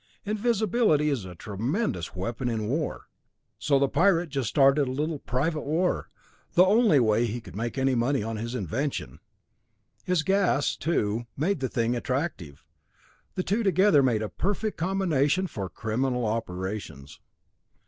Invisibility is a tremendous weapon in war, so the pirate just started a little private war, the only way he could make any money on his invention. His gas, too, made the thing attractive. The two together made a perfect combination for criminal operations.